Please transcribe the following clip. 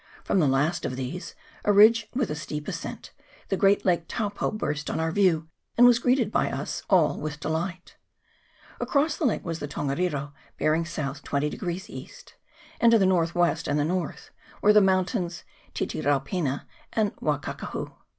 From the last of these, a ridge with a steep ascent, the great Lake Taupo burst on our view, and was greeted by us all with delight. Across the lake was the Tongariro bearing S. 20 E., and to the north west and north were the mountains Titiraupena and Wakakahu.